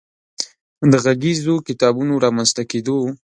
د غږیزو کتابونو رامنځ ته کېدو